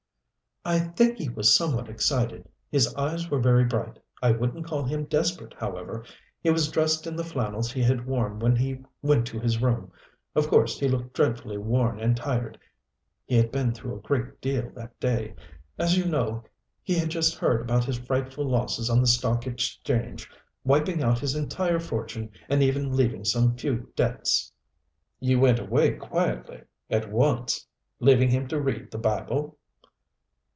"I think he was somewhat excited. His eyes were very bright. I wouldn't call him desperate, however. He was dressed in the flannels he had worn when he went to his room. Of course he looked dreadfully worn and tired he had been through a great deal that day. As you know he had just heard about his frightful losses on the stock exchange, wiping out his entire fortune and even leaving some few debts." "You went away quietly at once? Leaving him to read the Bible?"